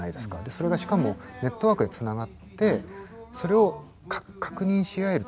それがしかもネットワークで繋がってそれを確認し合える